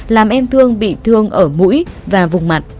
làm em thương bị thương ở mũi và vùng mặt